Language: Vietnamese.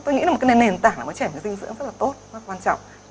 tôi nghĩ là một cái nền tảng là một cái trẻ có cái dinh dưỡng rất là tốt rất là quan trọng